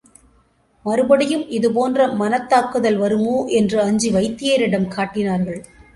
மறுபடியும் இது போன்ற மனத்தாக்குதல் வருமோ என்று அஞ்சி வைத்தியரிடம் காட்டினார்கள்.